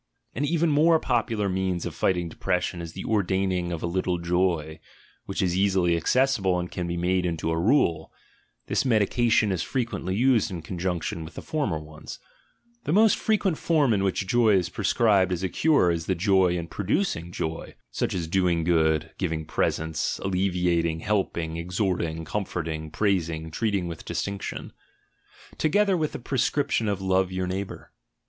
An even more popular means of fighting depression is die ordaining of a little joy, which is easily accessible and can be made into a rule; this medication is frequently used in conjunction with the former ones. The ASCETIC IDEALS 145 most frequent form in which joy is prescribed as a cure is the joy in producing joy (such as doing good, giving presents, alleviating, helping, exhorting, comforting, prais ing, treating with distinction) ; together with the prescrip tion of "love your neighbour."